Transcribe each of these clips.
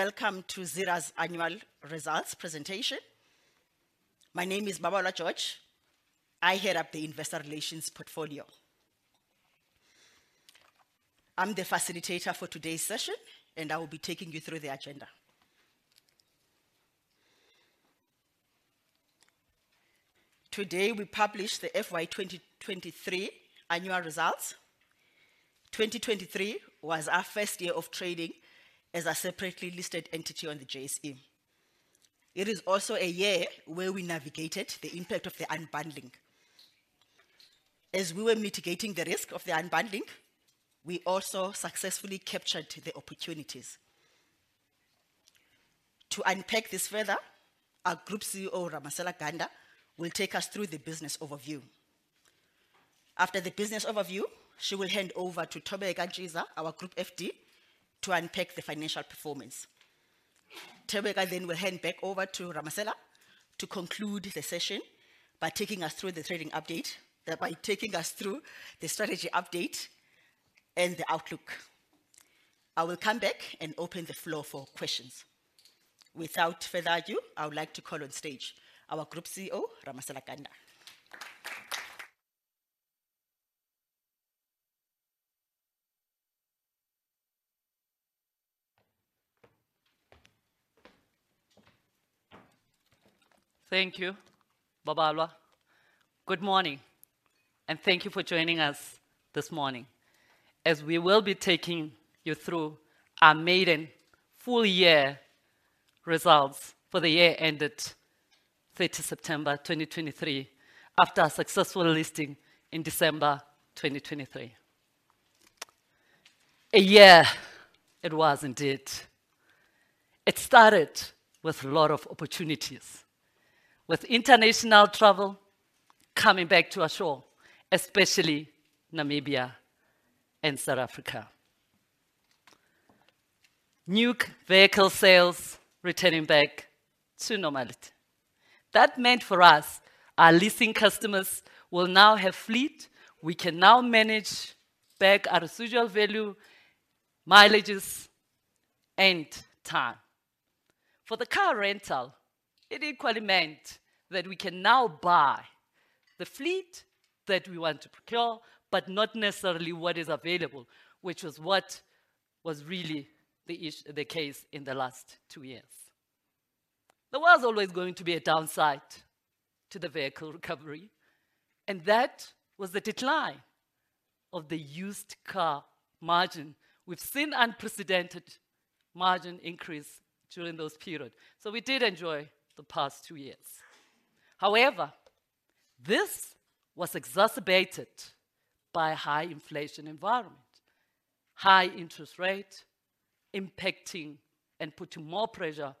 Welcome to Zeda's annual results presentation. My name is Babalwa George. I head up the investor relations portfolio. I'm the facilitator for today's session, and I will be taking you through the agenda. Today, we publish the FY 2023 annual results. 2023 was our first year of trading as a separately listed entity on the JSE. It is also a year where we navigated the impact of the unbundling. As we were mitigating the risk of the unbundling, we also successfully captured the opportunities. To unpack this further, our Group CEO, Ramasela Ganda, will take us through the business overview. After the business overview, she will hand over to Thobeka Ntshiza, our Group FD, to unpack the financial performance. Thobeka then will hand back over to Ramasela to conclude the session by taking us through the trading update, by taking us through the strategy update and the outlook. I will come back and open the floor for questions. Without further ado, I would like to call on stage our Group CEO, Ramasela Ganda. Thank you, Babalwa. Good morning, and thank you for joining us this morning, as we will be taking you through our maiden full year results for the year ended September 30 2023, after a successful listing in December 2023. A year it was indeed. It started with a lot of opportunities, with international travel coming back to our shores, especially Namibia and South Africa. New vehicle sales returning back to normality. That meant for us, our leasing customers will now have fleet, we can now manage back our residual value, mileages, and time. For the car rental, it equally meant that we can now buy the fleet that we want to procure, but not necessarily what is available, which was what was really the case in the last two years. There was always going to be a downside to the vehicle recovery, and that was the decline of the used car margin. We've seen unprecedented margin increase during those periods, so we did enjoy the past two years. However, this was exacerbated by a high inflation environment, high interest rate impacting and putting more pressure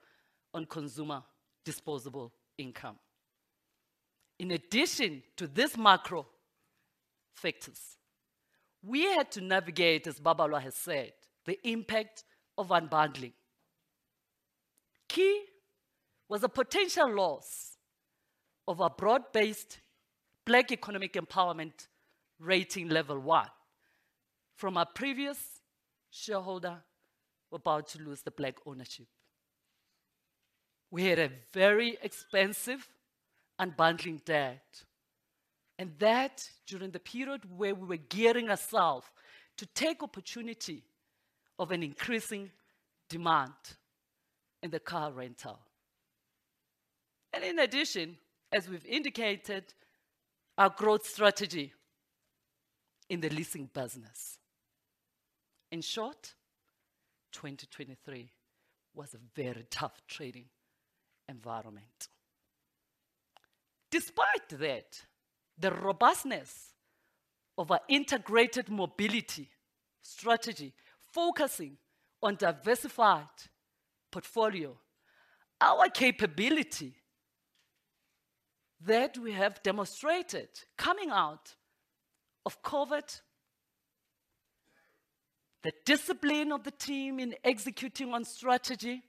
on consumer disposable income. In addition to these macro factors, we had to navigate, as Babalwa has said, the impact of unbundling. Key was a potential loss of a Broad-Based Black Economic Empowerment rating level one from our previous shareholder; we're about to lose the black ownership. We had a very expensive unbundling debt, and that during the period where we were gearing ourself to take opportunity of an increasing demand in the car rental. And in addition, as we've indicated, our growth strategy in the leasing business. In short, 2023 was a very tough trading environment. Despite that, the robustness of our integrated mobility strategy focusing on diversified portfolio, our capability that we have demonstrated coming out of COVID, the discipline of the team in executing on strategy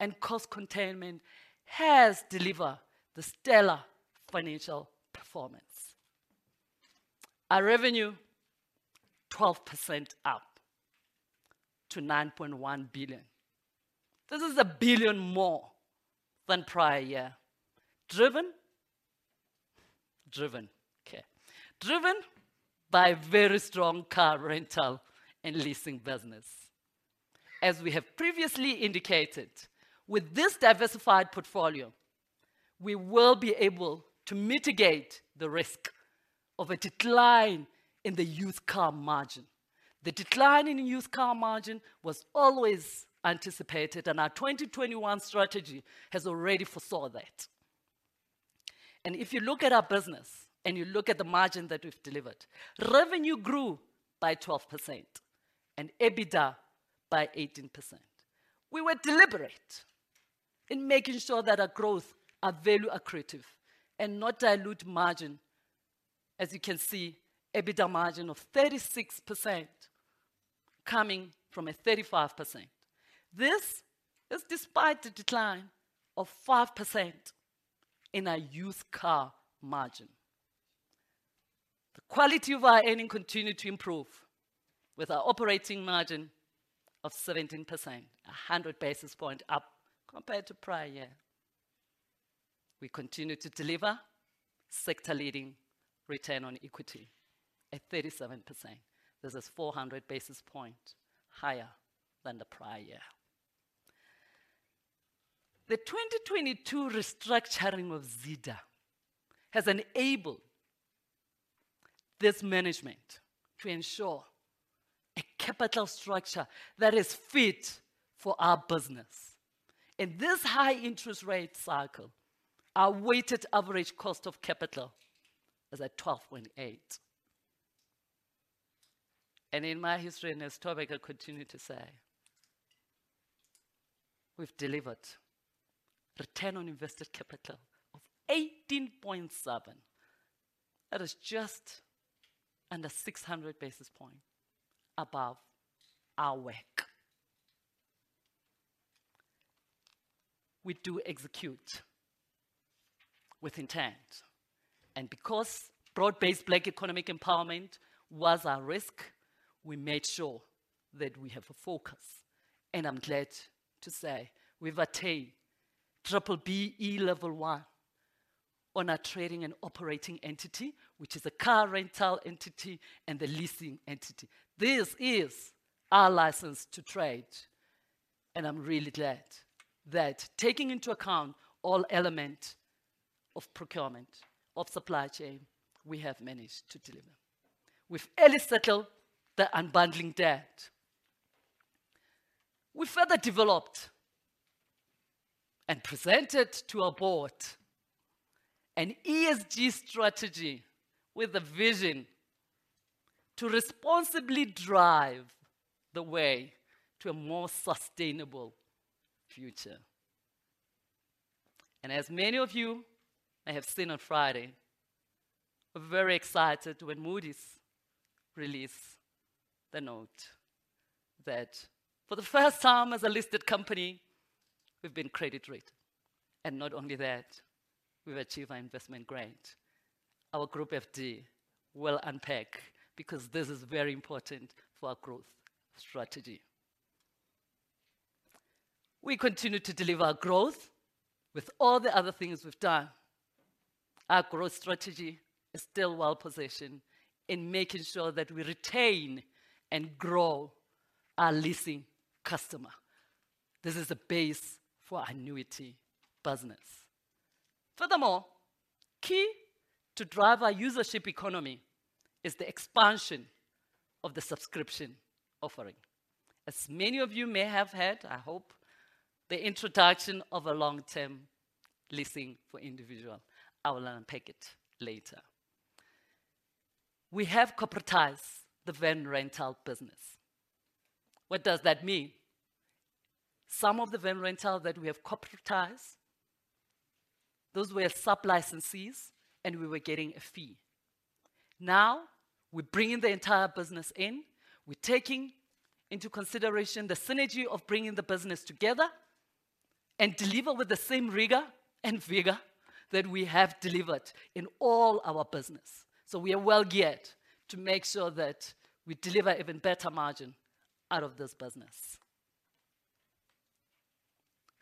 and cost containment, has delivered the stellar financial performance. Our revenue, 12% up to 9.1 billion. This is 1 billion more than prior year. Driven by very strong car rental and leasing business. As we have previously indicated, with this diversified portfolio, we will be able to mitigate the risk of a decline in the used car margin. The decline in the used car margin was always anticipated, and our 2021 strategy has already foresaw that. If you look at our business, and you look at the margin that we've delivered, revenue grew by 12% and EBITDA by 18%. We were deliberate in making sure that our growth are value accretive and not dilute margin. As you can see, EBITDA margin of 36% coming from a 35%. This is despite the decline of 5% in our used car margin. The quality of our earning continued to improve, with our operating margin of 17%, 100 basis point up compared to prior year. We continued to deliver sector-leading return on equity at 37%. This is 400 basis point higher than the prior year. The 2022 restructuring of Zeda has enabled this management to ensure a capital structure that is fit for our business. In this high interest rate cycle, our weighted average cost of capital is at 12.8. And in my history in this topic, I continue to say, we've delivered return on invested capital of 18.7. That is just under 600 basis points above our WACC. We do execute with intent, and because Broad-Based Black Economic Empowerment was our risk, we made sure that we have a focus. And I'm glad to say we've attained B-BBEE level one on our trading and operating entity, which is a car rental entity and the leasing entity. This is our license to trade, and I'm really glad that taking into account all elements of procurement, of supply chain, we have managed to deliver. We've early settled the unbundling debt. We further developed and presented to our board an ESG strategy with a vision to responsibly drive the way to a more sustainable future. As many of you may have seen on Friday, we're very excited when Moody's released the note that for the first time as a listed company, we've been credit rated. Not only that, we've achieved our investment grade. Our Group FD will unpack, because this is very important for our growth strategy. We continue to deliver our growth with all the other things we've done. Our growth strategy is still well positioned in making sure that we retain and grow our leasing customer. This is a base for our annuity business. Furthermore, key to drive our usership economy is the expansion of the subscription offering. As many of you may have heard, I hope, the introduction of a long-term leasing for individual. I will unpack it later. We have corporatized the van rental business. What does that mean? Some of the van rental that we have corporatized, those were sub-licensees, and we were getting a fee. Now, we're bringing the entire business in. We're taking into consideration the synergy of bringing the business together and deliver with the same rigor and vigor that we have delivered in all our business. So we are well geared to make sure that we deliver even better margin out of this business.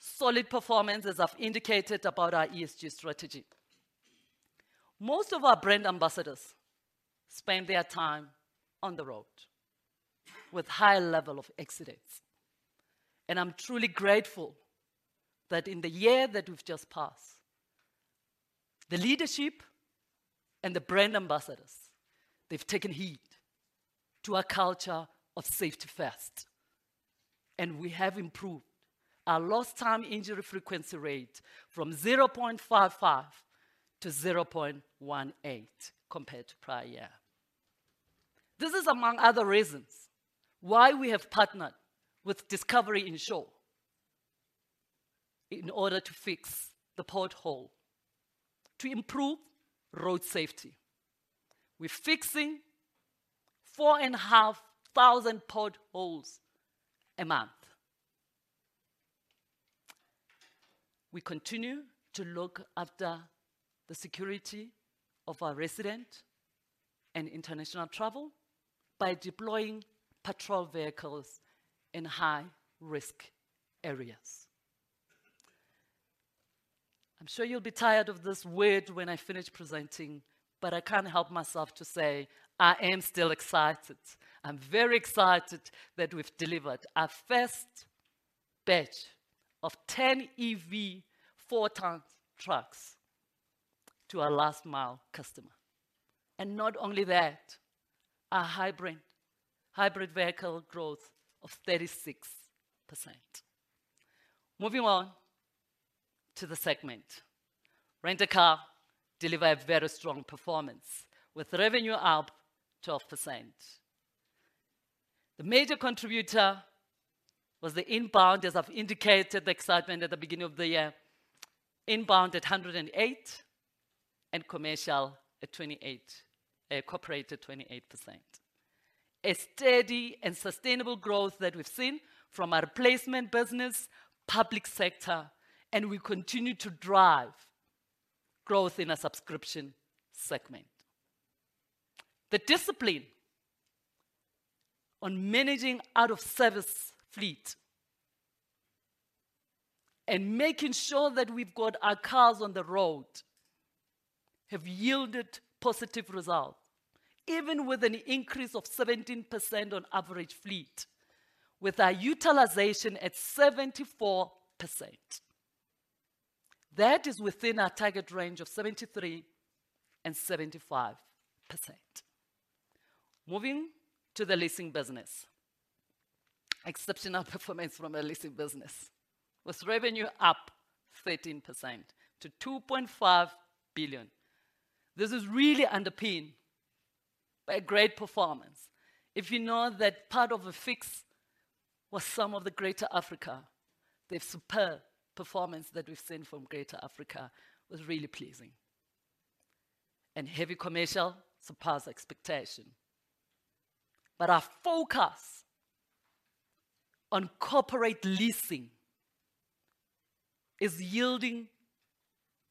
Solid performance, as I've indicated, about our ESG strategy. Most of our brand ambassadors spend their time on the road with high level of accidents, and I'm truly grateful that in the year that we've just passed, the leadership and the brand ambassadors, they've taken heed to a culture of safety first, and we have improved our lost time injury frequency rate from 0.55 to 0.18 compared to prior year. This is, among other reasons, why we have partnered with Discovery Insure in order to fix the pothole to improve road safety. We're fixing 4,500 potholes a month. We continue to look after the security of our resident and international travel by deploying patrol vehicles in high-risk areas. I'm sure you'll be tired of this word when I finish presenting, but I can't help myself to say, I am still excited. I'm very excited that we've delivered our first batch of 10 EV 4-ton trucks to our last mile customer. And not only that, our hybrid vehicle growth of 36%. Moving on to the segment. Rent a Car delivered a very strong performance, with revenue up 12%. The major contributor was the inbound, as I've indicated the excitement at the beginning of the year, inbound at 108%, and commercial at 28%, corporate at 28%.... A steady and sustainable growth that we've seen from our replacement business, public sector, and we continue to drive growth in our subscription segment. The discipline on managing out-of-service fleet and making sure that we've got our cars on the road, have yielded positive results, even with an increase of 17% on average fleet, with our utilization at 74%. That is within our target range of 73%-75%. Moving to the leasing business. Exceptional performance from our leasing business, with revenue up 13% to 2.5 billion. This is really underpinned by a great performance. If you know that part of the fix was some of the Greater Africa, the superb performance that we've seen from Greater Africa was really pleasing, and heavy commercial surpassed expectation. But our focus on corporate leasing is yielding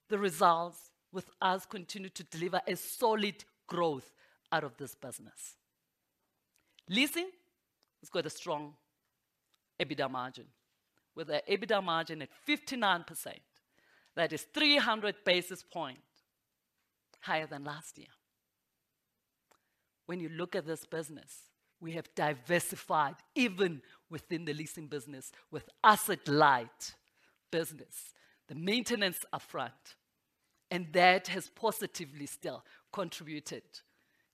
the results, with us continuing to deliver a solid growth out of this business. Leasing has got a strong EBITDA margin, with our EBITDA margin at 59%. That is 300 basis points higher than last year. When you look at this business, we have diversified even within the leasing business with asset-light business, the maintenance upfront, and that has positively still contributed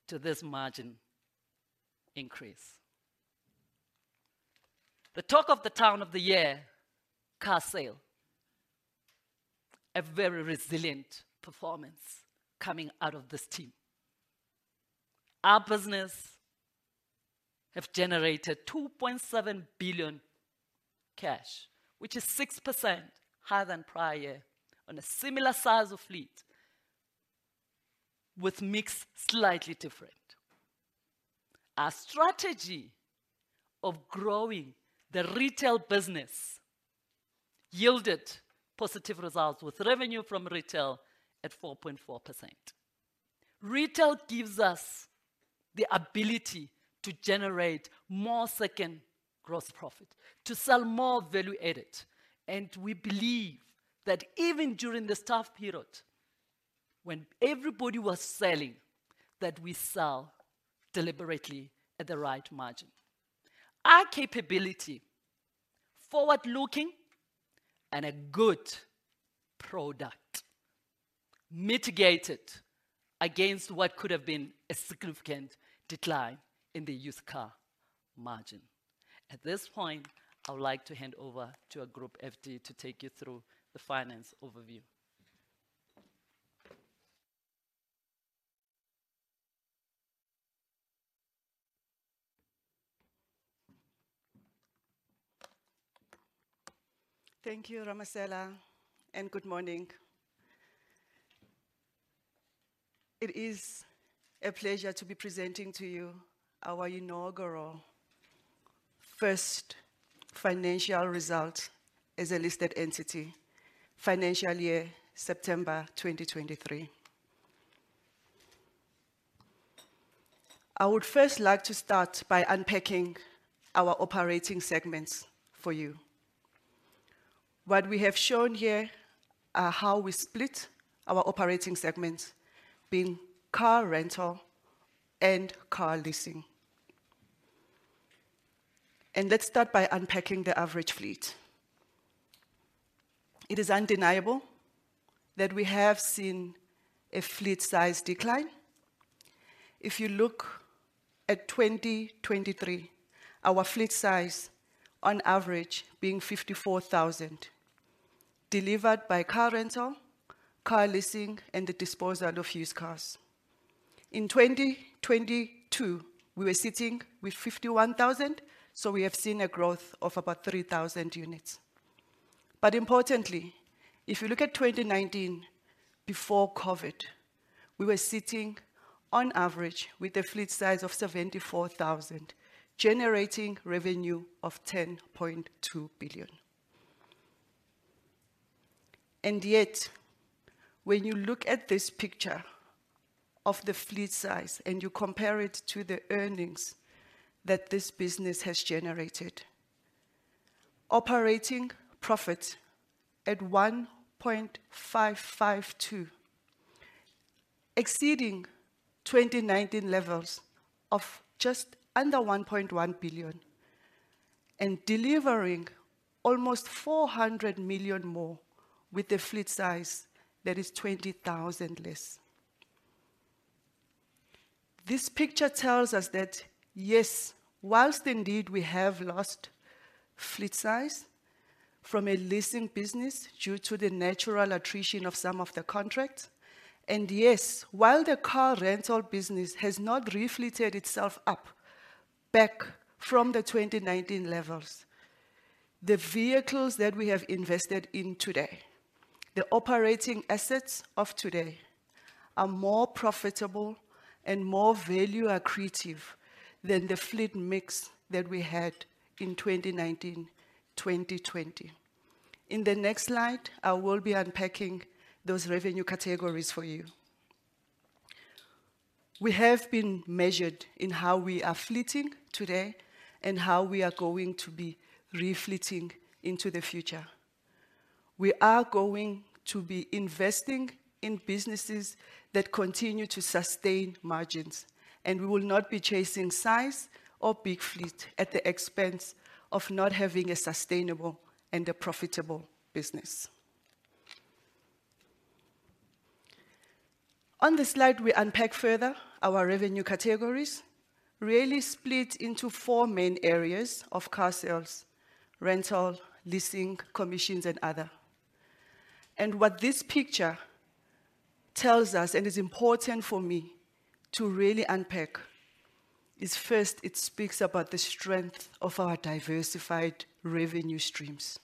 to this margin increase. The talk of the town of the year, car sale. A very resilient performance coming out of this team. Our business have generated 2.7 billion cash, which is 6% higher than prior year on a similar size of fleet, with mix slightly different. Our strategy of growing the retail business yielded positive results, with revenue from retail at 4.4%. Retail gives us the ability to generate more second growth profit, to sell more value added, and we believe that even during this tough period, when everybody was selling, that we sell deliberately at the right margin. Our capability, forward-looking, and a good product mitigated against what could have been a significant decline in the used car margin. At this point, I would like to hand over to our Group FD to take you through the finance overview. Thank you, Ramasela, and good morning. It is a pleasure to be presenting to you our inaugural first financial result as a listed entity, financial year, September 2023. I would first like to start by unpacking our operating segments for you. What we have shown here are how we split our operating segments, being car rental and car leasing. Let's start by unpacking the average fleet. It is undeniable that we have seen a fleet size decline. If you look at 2023, our fleet size on average being 54,000, delivered by car rental, car leasing, and the disposal of used cars. In 2022, we were sitting with 51,000, so we have seen a growth of about 3,000 units. But importantly, if you look at 2019, before COVID, we were sitting on average with a fleet size of 74,000, generating revenue of ZAR 10.2 billion. And yet, when you look at this picture of the fleet size, and you compare it to the earnings that this business has generated, operating profit at ZAR 1.552 billion, exceeding 2019 levels of just under 1.1 billion, and delivering almost 400 million more with a fleet size that is 20,000 less. This picture tells us that, yes, while indeed we have lost fleet size from a leasing business due to the natural attrition of some of the contracts, and yes, while the car rental business has not re-fleeted itself up back from the 2019 levels... The vehicles that we have invested in today, the operating assets of today, are more profitable and more value accretive than the fleet mix that we had in 2019, 2020. In the next slide, I will be unpacking those revenue categories for you. We have been measured in how we are fleeting today, and how we are going to be re-fleeting into the future. We are going to be investing in businesses that continue to sustain margins, and we will not be chasing size or big fleet at the expense of not having a sustainable and a profitable business. On this slide, we unpack further our revenue categories, really split into four main areas of car sales, rental, leasing, commissions, and other. What this picture tells us, and is important for me to really unpack, is first, it speaks about the strength of our diversified revenue streams.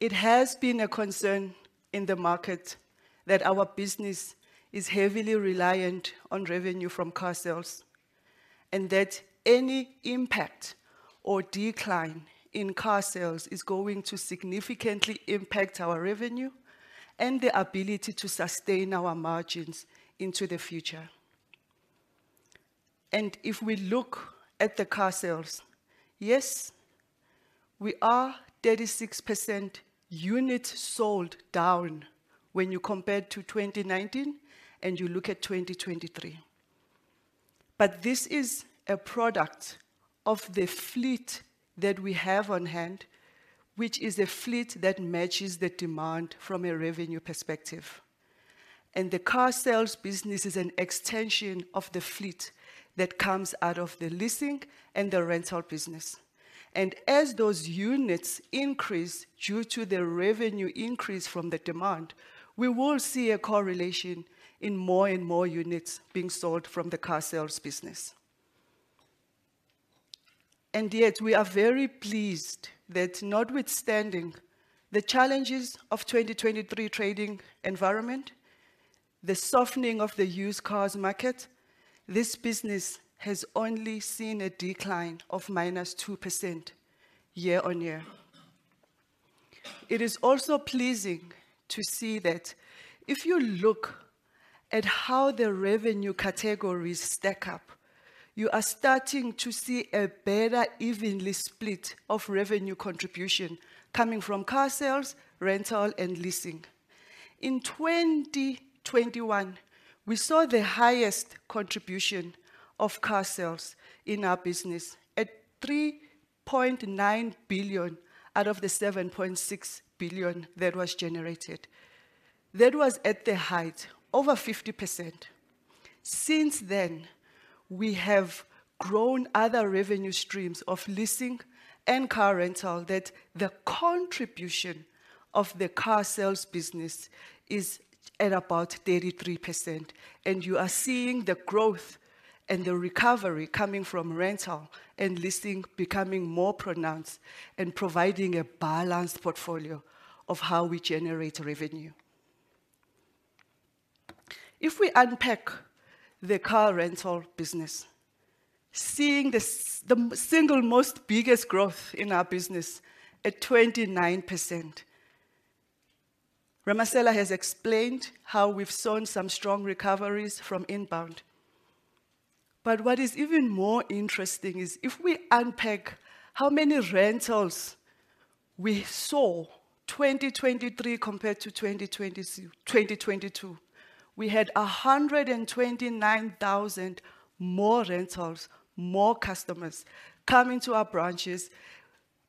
It has been a concern in the market that our business is heavily reliant on revenue from car sales, and that any impact or decline in car sales is going to significantly impact our revenue and the ability to sustain our margins into the future. If we look at the car sales, yes, we are 36% units sold down when you compare to 2019 and you look at 2023. This is a product of the fleet that we have on hand, which is a fleet that matches the demand from a revenue perspective. The car sales business is an extension of the fleet that comes out of the leasing and the rental business. As those units increase due to the revenue increase from the demand, we will see a correlation in more and more units being sold from the car sales business. Yet, we are very pleased that notwithstanding the challenges of 2023 trading environment, the softening of the used cars market, this business has only seen a decline of -2% year-on-year. It is also pleasing to see that if you look at how the revenue categories stack up, you are starting to see a better, evenly split of revenue contribution coming from car sales, rental, and leasing. In 2021, we saw the highest contribution of car sales in our business at 3.9 billion out of the 7.6 billion that was generated. That was at the height, over 50%. Since then, we have grown other revenue streams of leasing and car rental, that the contribution of the car sales business is at about 33%, and you are seeing the growth and the recovery coming from rental and leasing becoming more pronounced and providing a balanced portfolio of how we generate revenue. If we unpack the car rental business, seeing the single most biggest growth in our business at 29%. Ramasela has explained how we've seen some strong recoveries from inbound. But what is even more interesting is, if we unpack how many rentals we saw, 2023 compared to 2022, we had 129,000 more rentals, more customers coming to our branches,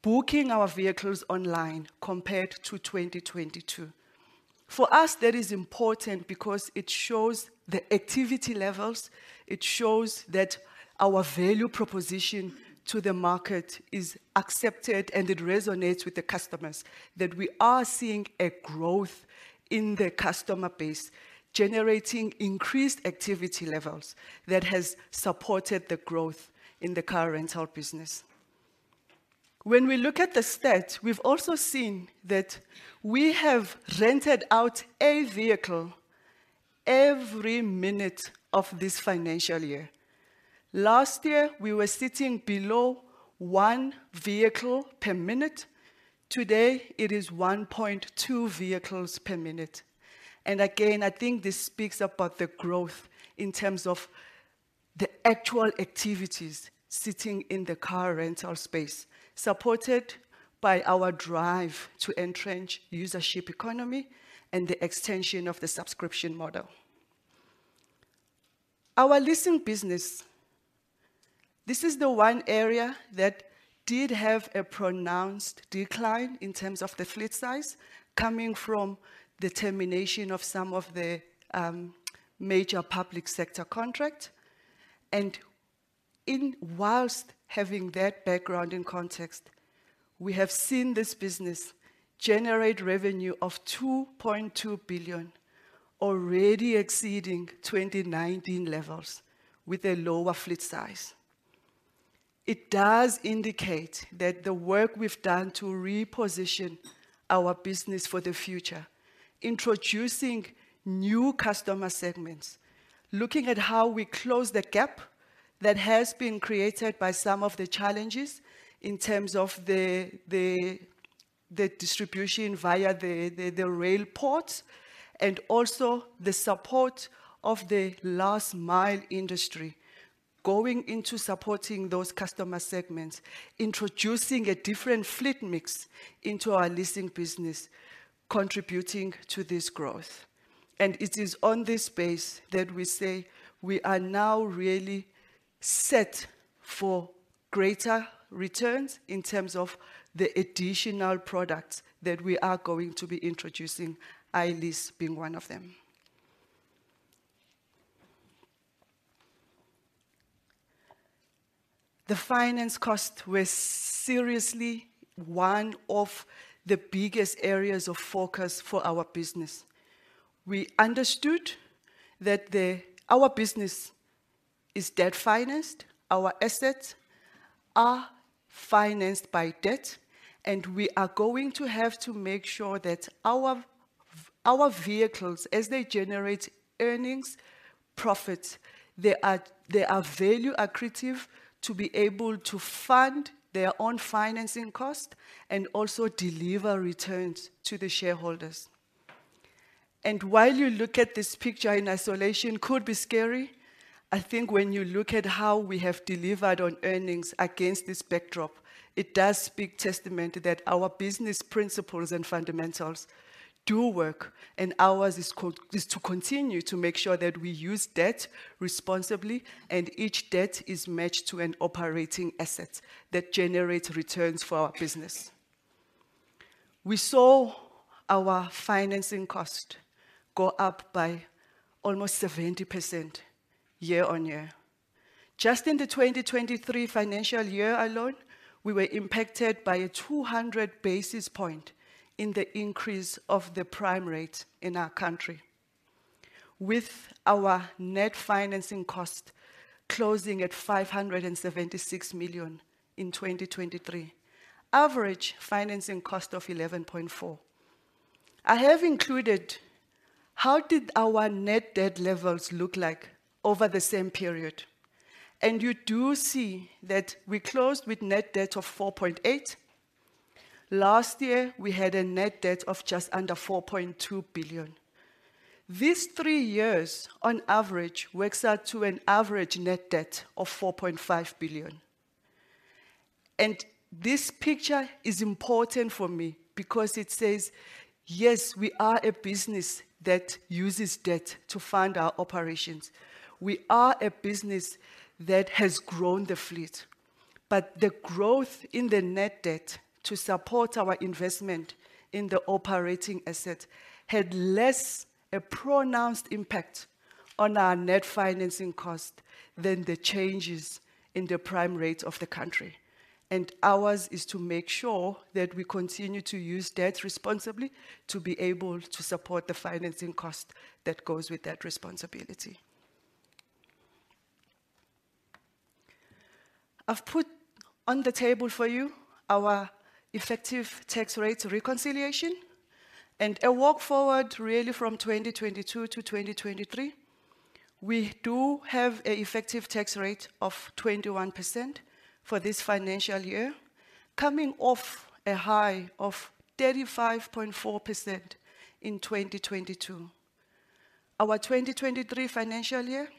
booking our vehicles online compared to 2022. For us, that is important because it shows the activity levels, it shows that our value proposition to the market is accepted, and it resonates with the customers. That we are seeing a growth in the customer base, generating increased activity levels that has supported the growth in the car rental business. When we look at the stats, we've also seen that we have rented out a vehicle every minute of this financial year. Last year, we were sitting below one vehicle per minute. Today, it is 1.2 vehicles per minute. And again, I think this speaks about the growth in terms of the actual activities sitting in the car rental space, supported by our drive to entrench usership economy and the extension of the subscription model. Our leasing business, this is the one area that did have a pronounced decline in terms of the fleet size, coming from the termination of some of the major public sector contract. And whilst having that background and context, we have seen this business generate revenue of 2.2 billion already exceeding 2019 levels with a lower fleet size. It does indicate that the work we've done to reposition our business for the future, introducing new customer segments, looking at how we close the gap that has been created by some of the challenges in terms of the distribution via the rail ports, and also the support of the last mile industry. Going into supporting those customer segments, introducing a different fleet mix into our leasing business, contributing to this growth. It is on this basis that we say we are now really set for greater returns in terms of the additional products that we are going to be introducing, iLease being one of them. The finance cost was seriously one of the biggest areas of focus for our business. We understood that our business is debt financed, our assets are financed by debt, and we are going to have to make sure that our vehicles, as they generate earnings, profits, they are value accretive to be able to fund their own financing cost and also deliver returns to the shareholders. While you look at this picture in isolation could be scary, I think when you look at how we have delivered on earnings against this backdrop, it does speak testament that our business principles and fundamentals do work, and ours is to continue to make sure that we use debt responsibly, and each debt is matched to an operating asset that generates returns for our business. We saw our financing cost go up by almost 70% year-on-year. Just in the 2023 financial year alone, we were impacted by a 200 basis point increase of the prime rate in our country, with our net financing cost closing at 576 million in 2023. Average financing cost of 11.4%. I have included how our net debt levels looked like over the same period. You do see that we closed with net debt of 4.8 billion. Last year, we had a net debt of just under 4.2 billion. These three years on average, works out to an average net debt of 4.5 billion. And this picture is important for me because it says, "Yes, we are a business that uses debt to fund our operations. We are a business that has grown the fleet, but the growth in the net debt to support our investment in the operating asset had less a pronounced impact on our net financing cost than the changes in the prime rate of the country." And ours is to make sure that we continue to use debt responsibly to be able to support the financing cost that goes with that responsibility. I've put on the table for you our effective tax rate reconciliation and a walk forward really from 2022 to 2023. We do have a effective tax rate of 21% for this financial year, coming off a high of 35.4% in 2022. Our 2023 financial year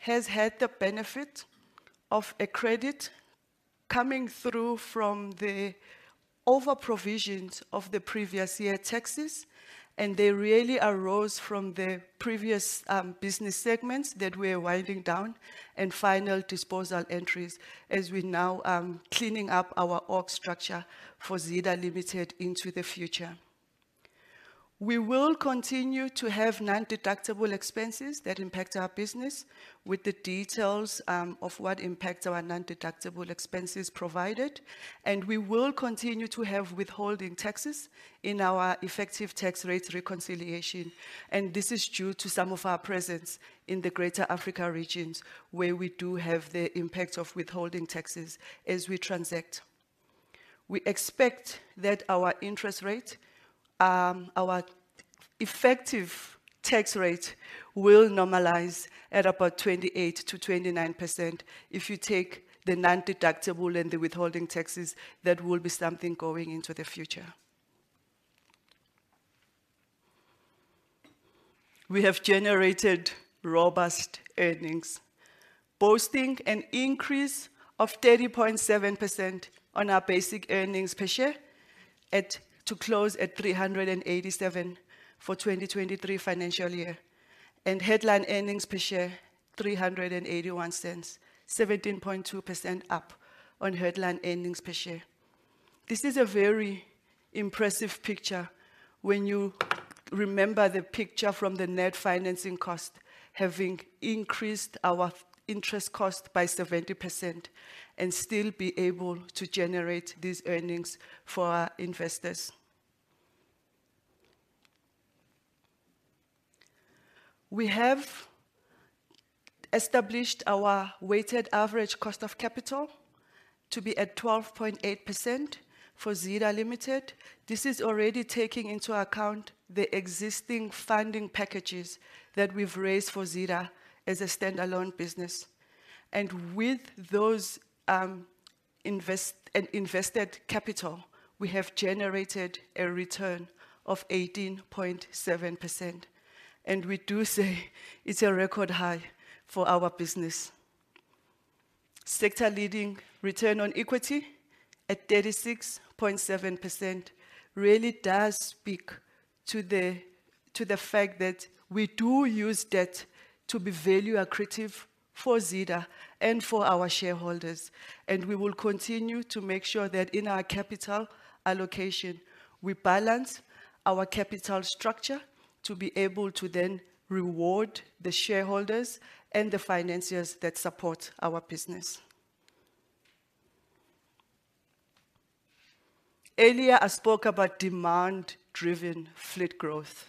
has had the benefit of a credit coming through from the overprovision of the previous year taxes, and they really arose from the previous, business segments that we are winding down, and final disposal entries as we now cleaning up our org structure for Zeda Limited into the future. We will continue to have non-deductible expenses that impact our business, with the details of what impacts our non-deductible expenses provided, and we will continue to have withholding taxes in our effective tax rate reconciliation, and this is due to some of our presence in the Greater Africa regions, where we do have the impact of withholding taxes as we transact. We expect that our interest rate, our effective tax rate will normalize at about 28%-29%. If you take the non-deductible and the withholding taxes, that will be something going into the future. We have generated robust earnings, boasting an increase of 30.7% on our basic earnings per share to close at 3.87 for 2023 financial year, and headline earnings per share 3.81, 17.2% up on headline earnings per share. This is a very impressive picture when you remember the picture from the net financing cost, having increased our interest cost by 70% and still be able to generate these earnings for our investors. We have established our weighted average cost of capital to be at 12.8% for Zeda Limited. This is already taking into account the existing funding packages that we've raised for Zeda as a standalone business. With those invested capital, we have generated a return of 18.7%, and we do say it's a record high for our business. Sector leading return on equity at 36.7% really does speak to the, to the fact that we do use debt to be value accretive for Zeda and for our shareholders, and we will continue to make sure that in our capital allocation, we balance our capital structure to be able to then reward the shareholders and the financiers that support our business. Earlier, I spoke about demand-driven fleet growth,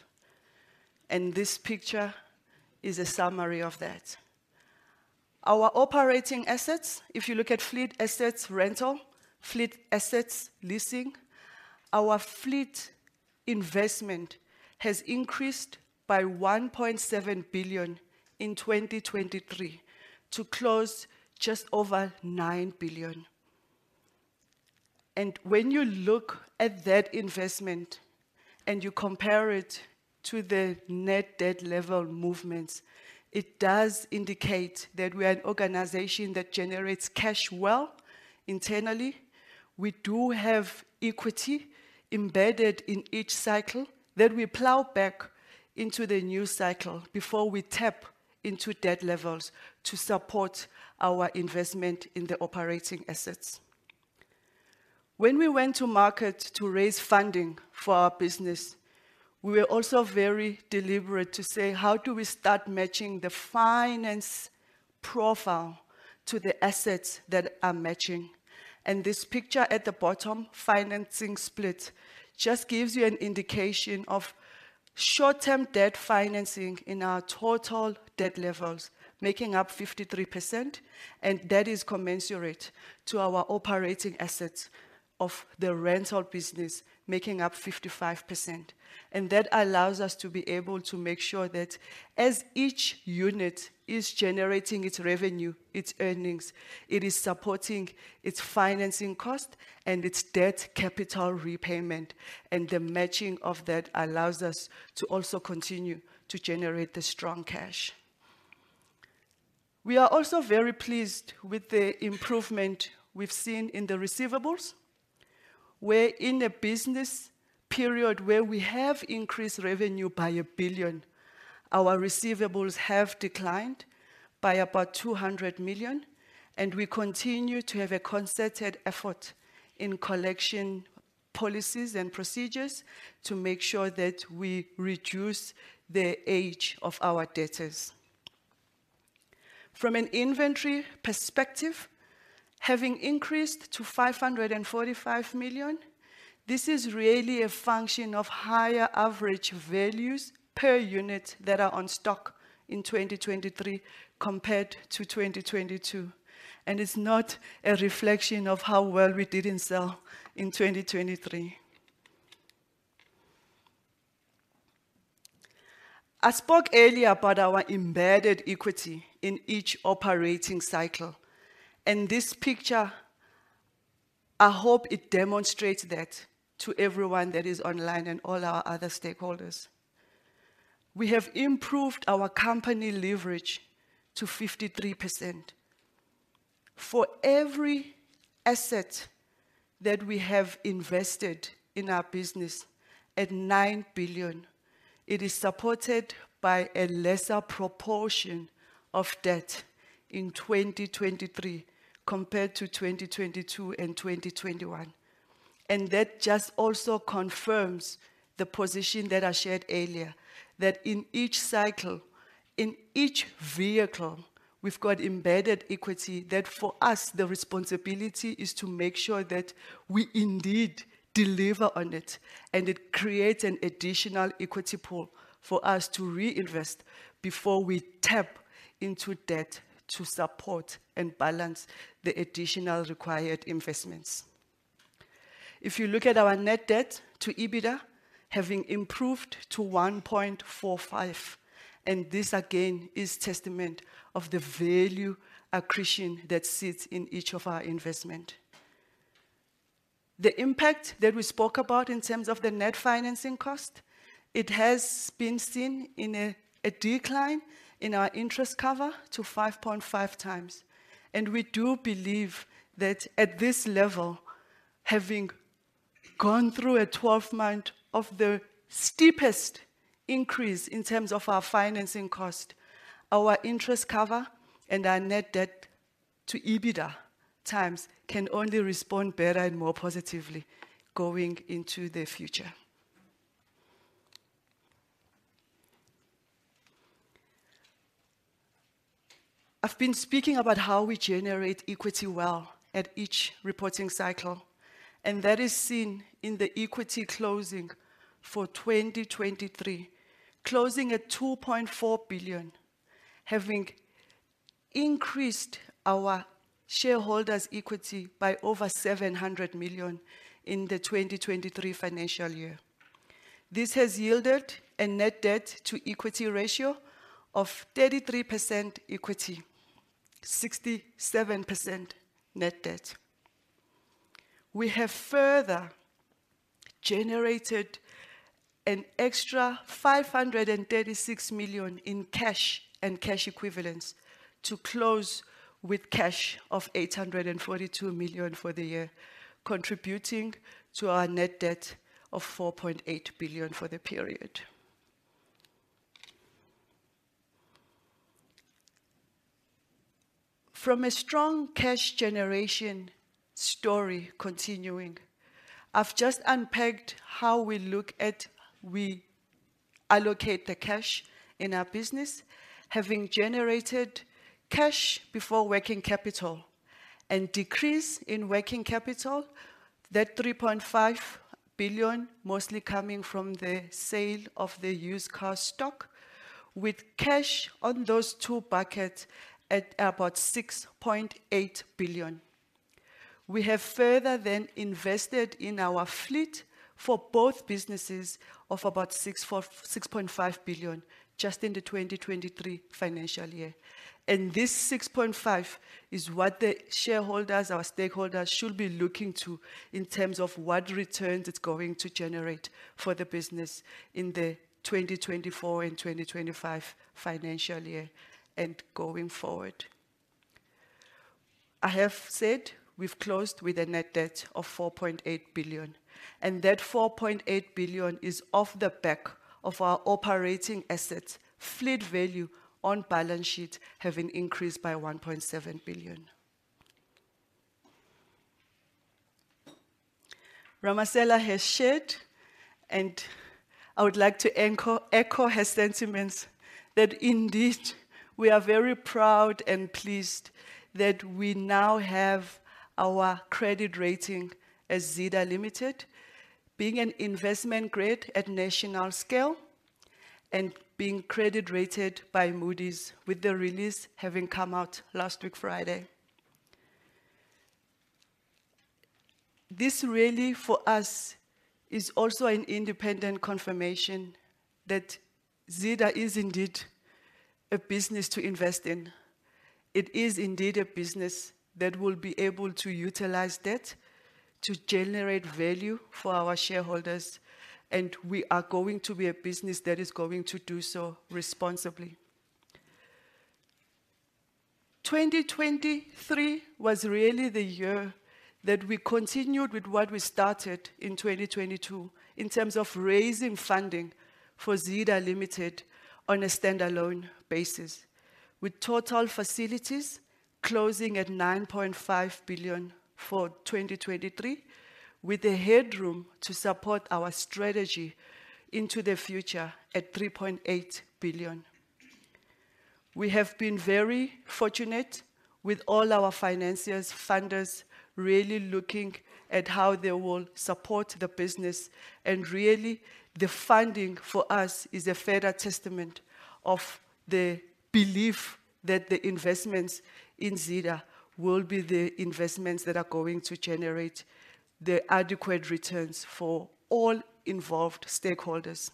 and this picture is a summary of that. Our operating assets, if you look at fleet assets rental, fleet assets leasing, our fleet investment has increased by 1.7 billion in 2023 to close just over 9 billion. And when you look at that investment and you compare it to the net debt level movements, it does indicate that we are an organization that generates cash well internally. We do have equity embedded in each cycle that we plow back into the new cycle before we tap into debt levels to support our investment in the operating assets. When we went to market to raise funding for our business, we were also very deliberate to say, "How do we start matching the finance profile to the assets that are matching?" And this picture at the bottom, financing split, just gives you an indication of short-term debt financing in our total debt levels, making up 53%, and that is commensurate to our operating assets of the rental business, making up 55%. And that allows us to be able to make sure that as each unit is generating its revenue, its earnings, it is supporting its financing cost and its debt capital repayment, and the matching of that allows us to also continue to generate the strong cash. We are also very pleased with the improvement we've seen in the receivables, where in a business period where we have increased revenue by 1 billion, our receivables have declined by about 200 million, and we continue to have a concerted effort in collection policies and procedures to make sure that we reduce the age of our debtors. From an inventory perspective, having increased to 545 million, this is really a function of higher average values per unit that are on stock in 2023 compared to 2022, and it's not a reflection of how well we didn't sell in 2023. I spoke earlier about our embedded equity in each operating cycle, and this picture, I hope it demonstrates that to everyone that is online and all our other stakeholders. We have improved our company leverage to 53%. For every asset that we have invested in our business at 9 billion, it is supported by a lesser proportion of debt in 2023 compared to 2022 and 2021. And that just also confirms the position that I shared earlier, that in each cycle, in each vehicle, we've got embedded equity, that for us, the responsibility is to make sure that we indeed deliver on it, and it creates an additional equity pool for us to reinvest before we tap into debt to support and balance the additional required investments. If you look at our Net Debt to EBITDA having improved to 1.45, and this again is testament of the value accretion that sits in each of our investment. The impact that we spoke about in terms of the net financing cost, it has been seen in a decline in our interest cover to 5.5x. And we do believe that at this level, having gone through a 12-month of the steepest increase in terms of our financing cost, our interest cover and our net debt to EBITDA times can only respond better and more positively going into the future.... I've been speaking about how we generate equity well at each reporting cycle, and that is seen in the equity closing for 2023, closing at 2.4 billion, having increased our shareholders' equity by over 700 million in the 2023 financial year. This has yielded a net debt to equity ratio of 33% equity: 67% net debt. We have further generated an extra 536 million in cash and cash equivalents to close with cash of 842 million for the year, contributing to our net debt of 4.8 billion for the period. From a strong cash generation story continuing, I've just unpacked how we look at we allocate the cash in our business, having generated cash before working capital and decrease in working capital, that 3.5 billion mostly coming from the sale of the used car stock, with cash on those two buckets at about 6.8 billion. We have further then invested in our fleet for both businesses of about 6.5 billion, just in the 2023 financial year. This 6.5 is what the shareholders, our stakeholders, should be looking to in terms of what returns it's going to generate for the business in the 2024 and 2025 financial year and going forward. I have said we've closed with a net debt of 4.8 billion, and that 4.8 billion is off the back of our operating assets, fleet value on balance sheet having increased by 1.7 billion. Ramasela has shared, and I would like to echo, echo her sentiments, that indeed, we are very proud and pleased that we now have our credit rating as Zeda Limited, being an investment grade at national scale and being credit rated by Moody's, with the release having come out last week, Friday. This really, for us, is also an independent confirmation that Zeda is indeed a business to invest in. It is indeed a business that will be able to utilize debt to generate value for our shareholders, and we are going to be a business that is going to do so responsibly. 2023 was really the year that we continued with what we started in 2022 in terms of raising funding for Zeda Limited on a standalone basis, with total facilities closing at 9.5 billion for 2023, with the headroom to support our strategy into the future at 3.8 billion. We have been very fortunate with all our financiers, funders, really looking at how they will support the business. And really, the funding for us is a further testament of the belief that the investments in Zeda will be the investments that are going to generate the adequate returns for all involved stakeholders.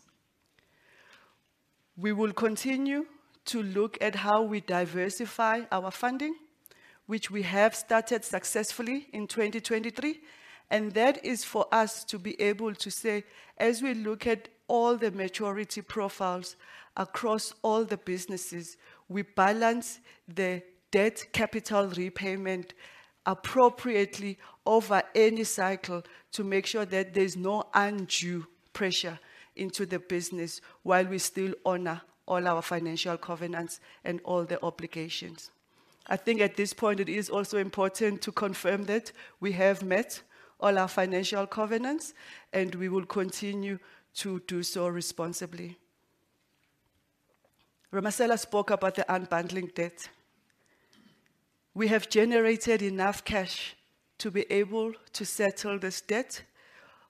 We will continue to look at how we diversify our funding, which we have started successfully in 2023, and that is for us to be able to say, as we look at all the maturity profiles across all the businesses, we balance the debt capital repayment appropriately over any cycle to make sure that there's no undue pressure into the business, while we still honor all our financial covenants and all the obligations. I think at this point, it is also important to confirm that we have met all our financial covenants, and we will continue to do so responsibly. Ramasela spoke about the unbundling debt. We have generated enough cash to be able to settle this debt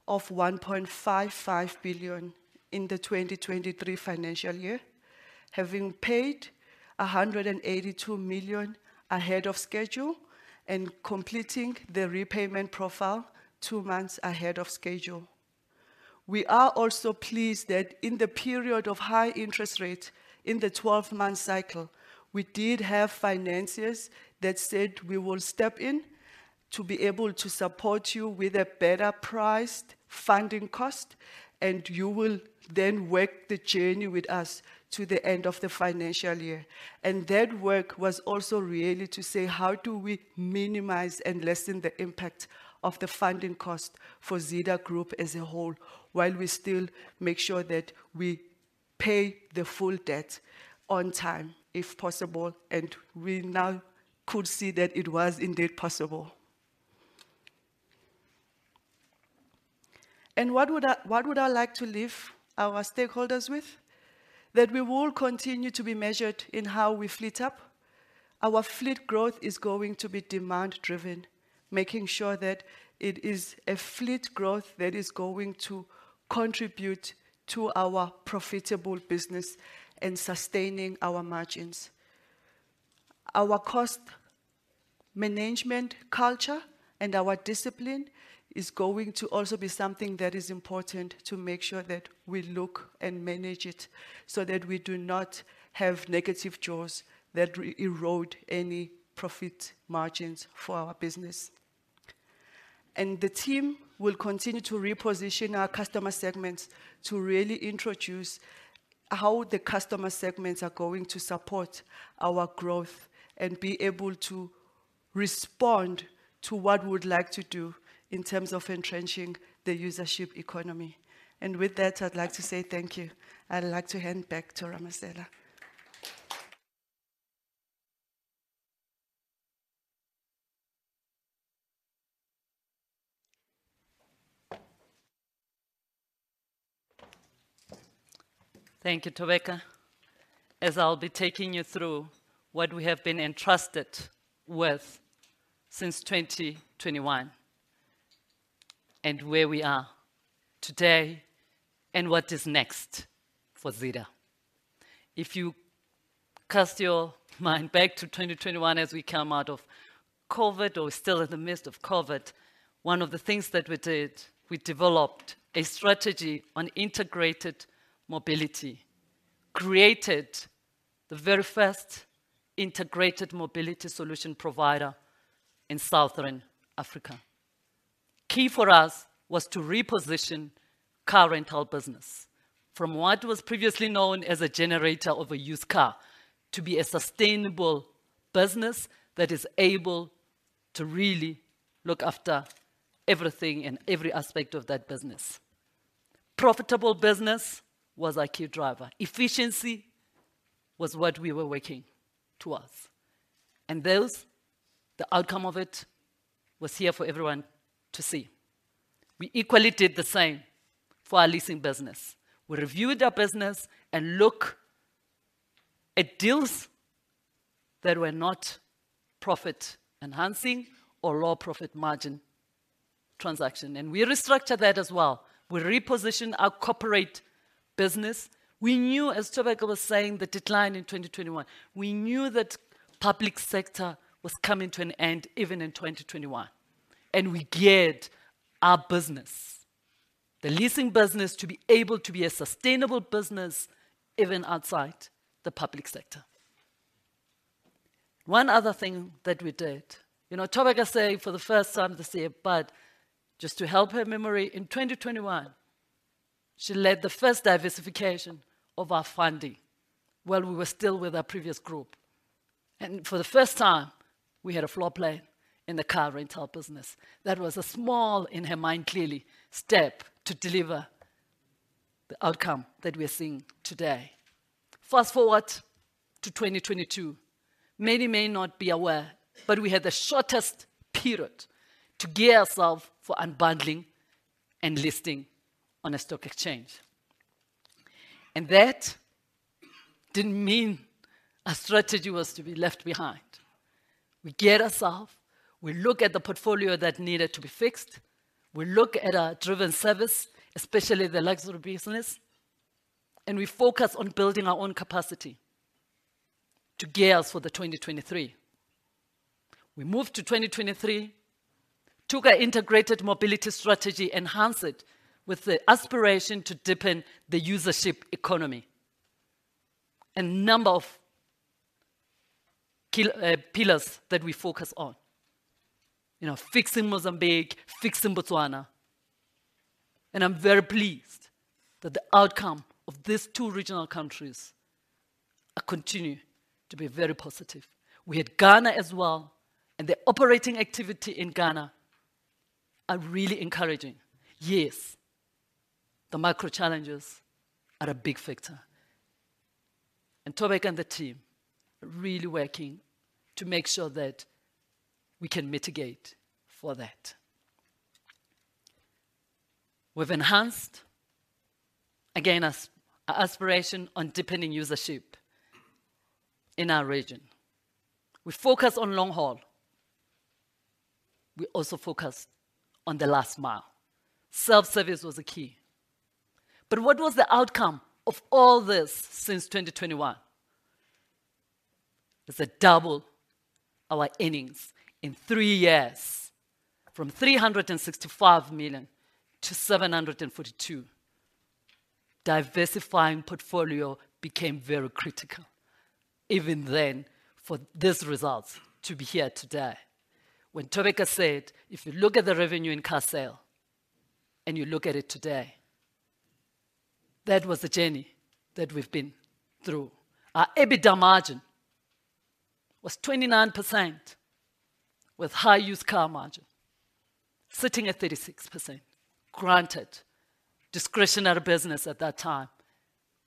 of 1.55 billion in the 2023 financial year, having paid 182 million ahead of schedule and completing the repayment profile two months ahead of schedule. We are also pleased that in the period of high interest rate in the 12-month cycle, we did have financiers that said, "We will step in to be able to support you with a better priced funding cost, and you will then work the journey with us to the end of the financial year." And that work was also really to say, how do we minimize and lessen the impact of the funding cost for Zeda Group as a whole, while we still make sure that we pay the full debt on time, if possible? And we now could see that it was indeed possible. What would I, what would I like to leave our stakeholders with? That we will continue to be measured in how we fleet up. Our fleet growth is going to be demand driven, making sure that it is a fleet growth that is going to contribute to our profitable business and sustaining our margins. Our cost management culture and our discipline is going to also be something that is important to make sure that we look and manage it, so that we do not have negative jaws that will erode any profit margins for our business. The team will continue to reposition our customer segments to really introduce how the customer segments are going to support our growth, and be able to respond to what we would like to do in terms of entrenching the usership economy. With that, I'd like to say thank you. I'd like to hand back to Ramasela. Thank you, Thobeka. As I'll be taking you through what we have been entrusted with since 2021, and where we are today, and what is next for Zeda. If you cast your mind back to 2021, as we come out of COVID or still in the midst of COVID, one of the things that we did, we developed a strategy on integrated mobility, created the very first integrated mobility solution provider in Southern Africa. Key for us was to reposition car rental business from what was previously known as a generator of a used car, to be a sustainable business that is able to really look after everything and every aspect of that business. Profitable business was our key driver. Efficiency was what we were working towards, and thus, the outcome of it was here for everyone to see. We equally did the same for our leasing business. We reviewed our business and look at deals that were not profit enhancing or low profit margin transaction, and we restructured that as well. We repositioned our corporate business. We knew, as Thobeka was saying, the decline in 2021. We knew that public sector was coming to an end even in 2021, and we geared our business, the leasing business, to be able to be a sustainable business even outside the public sector. One other thing that we did, you know, Thobeka saying for the first time this year, but just to help her memory, in 2021, she led the first diversification of our funding while we were still with our previous group. And for the first time, we had a floor plan in the car rental business. That was a small, in her mind, clearly, step to deliver the outcome that we are seeing today. Fast-forward to 2022. Many may not be aware, but we had the shortest period to gear ourselves for unbundling and listing on a stock exchange. That didn't mean our strategy was to be left behind. We gear ourself, we look at the portfolio that needed to be fixed, we look at our driven service, especially the luxury business, and we focus on building our own capacity to gear us for the 2023. We moved to 2023, took our integrated mobility strategy, enhanced it with the aspiration to deepen the usership economy. A number of pillars that we focus on. You know, fixing Mozambique, fixing Botswana, and I'm very pleased that the outcome of these two regional countries are continue to be very positive. We had Ghana as well, and the operating activity in Ghana are really encouraging. Yes, the micro challenges are a big factor, and Thobeka and the team are really working to make sure that we can mitigate for that. We've enhanced, again, as our aspiration on deepening usership in our region. We focus on long haul. We also focus on the last mile. Self-service was a key. But what was the outcome of all this since 2021? Is to double our earnings in three years from 365 million to 742 million. Diversifying portfolio became very critical even then, for these results to be here today. When Thobeka said, "If you look at the revenue in car sale, and you look at it today," that was the journey that we've been through. Our EBITDA margin was 29%, with high used car margin sitting at 36%. Granted, discretionary business at that time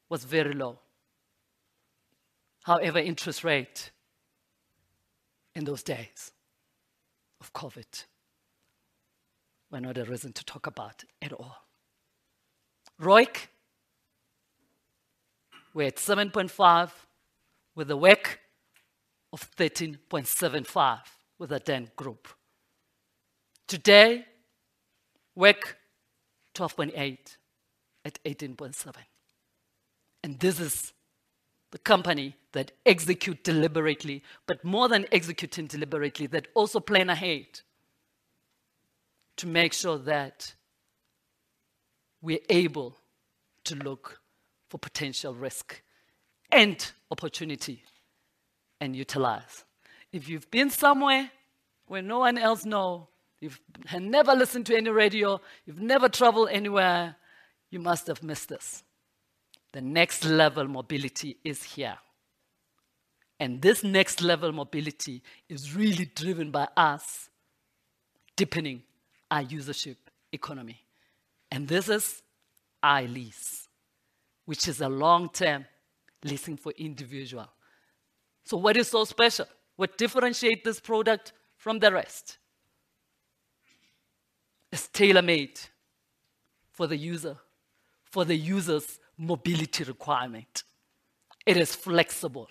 was very low. However, interest rate in those days of COVID were not a reason to talk about at all. ROIC, we're at 7.5, with a WACC of 13.75 with a 10 group. Today, WACC 12.8 at 18.7, and this is the company that execute deliberately, but more than executing deliberately, that also plan ahead to make sure that we're able to look for potential risk and opportunity and utilize. If you've been somewhere where no one else know, you've have never listened to any radio, you've never traveled anywhere, you must have missed this. The next level mobility is here, and this next level mobility is really driven by us deepening our usership economy. And this is iLease, which is a long-term leasing for individual. So what is so special? What differentiate this product from the rest? It's tailor-made for the user, for the user's mobility requirement. It is flexible.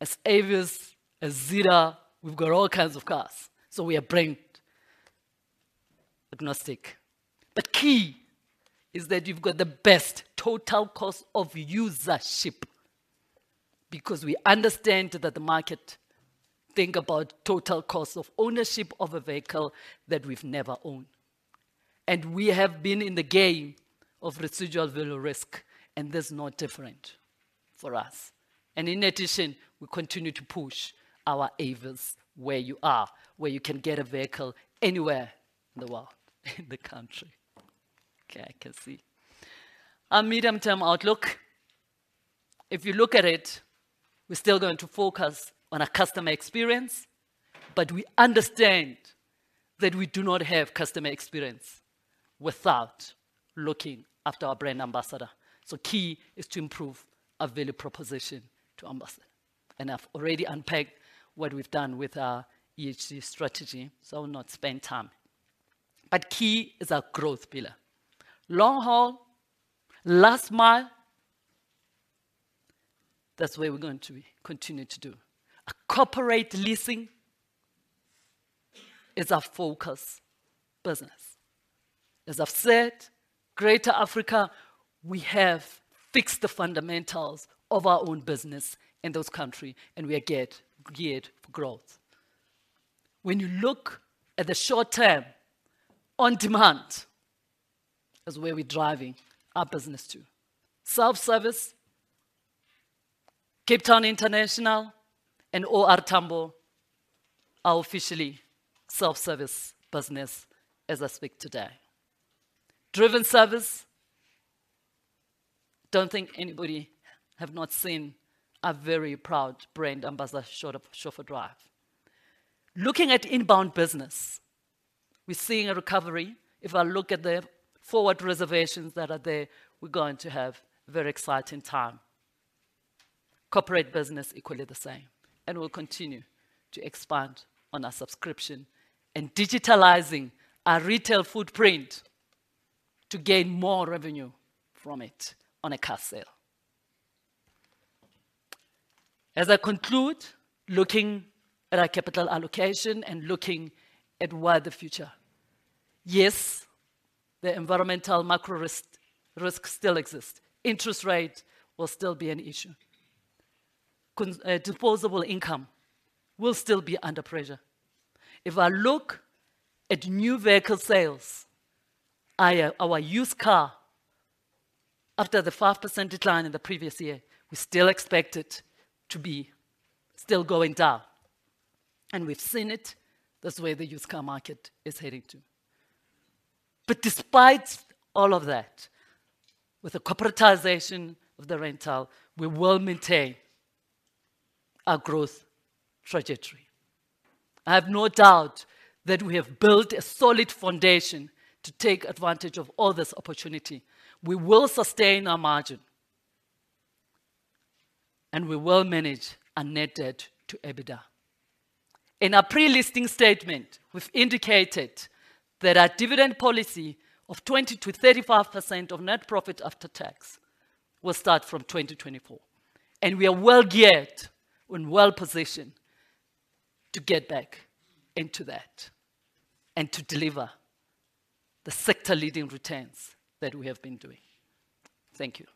As Avis, as Zeda, we've got all kinds of cars, so we are brand agnostic. But key is that you've got the best total cost of usership, because we understand that the market think about total cost of ownership of a vehicle that we've never owned. And we have been in the game of residual value risk, and that's not different for us. And in addition, we continue to push our Avis where you are, where you can get a vehicle anywhere in the world, in the country. Okay, I can see. Our medium-term outlook, if you look at it, we're still going to focus on our customer experience, but we understand that we do not have customer experience without looking after our brand ambassador. So key is to improve our value proposition to ambassador. I've already unpacked what we've done with our ESG strategy, so I will not spend time. Key is our growth pillar. Long haul, last mile, that's where we're going to continue to do. Corporate leasing is our focus business. As I've said, Greater Africa, we have fixed the fundamentals of our own business in those countries, and we are geared for growth. When you look at the short term, on demand is where we're driving our business to. Self-service, Cape Town International and O.R. Tambo are officially self-service businesses as I speak today. Driven service, don't think anybody hasn't seen a very proud brand ambassador chauffeur drive. Looking at inbound business, we're seeing a recovery. If I look at the forward reservations that are there, we're going to have a very exciting time. Corporate business, equally the same, and we'll continue to expand on our subscription and digitizing our retail footprint to gain more revenue from it on a car sale. As I conclude, looking at our capital allocation and looking at where the future... Yes, the environmental macro risk, risk still exists. Interest rate will still be an issue. Disposable income will still be under pressure. If I look at new vehicle sales, i.e., our used car, after the 5% decline in the previous year, we still expect it to be still going down, and we've seen it. That's where the used car market is heading to. But despite all of that, with the corporatization of the rental, we will maintain our growth trajectory. I have no doubt that we have built a solid foundation to take advantage of all this opportunity. We will sustain our margin, and we will manage our net debt to EBITDA. In our pre-listing statement, we've indicated that our dividend policy of 20%-35% of net profit after tax will start from 2024, and we are well geared and well positioned to get back into that and to deliver the sector-leading returns that we have been doing. Thank you.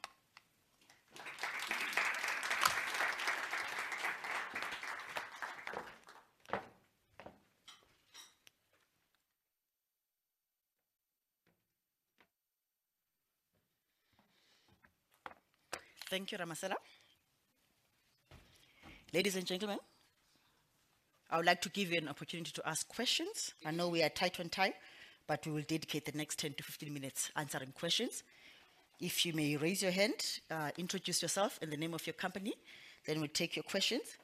Thank you, Ramasela. Ladies and gentlemen, I would like to give you an opportunity to ask questions. I know we are tight on time, but we will dedicate the next 10 to 15 minutes answering questions. If you may raise your hand, introduce yourself and the name of your company, then we'll take your questions.